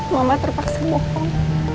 mama terpaksa mohon